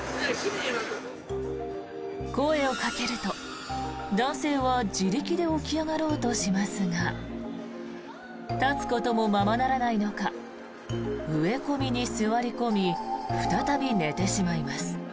声をかけると、男性は自力で起き上がろうとしますが立つこともままならないのか植え込みに座り込み再び寝てしまいます。